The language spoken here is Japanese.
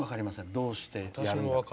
どうやってやるのか。